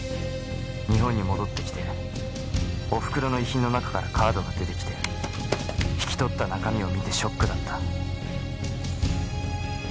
日本に戻ってきてお袋の遺品の中からカードが出てきて引き取った中身を見てショックだった。